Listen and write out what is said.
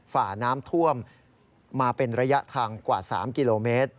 ฝ่าน้ำท่วมมาเป็นระยะทางกว่า๓กิโลเมตร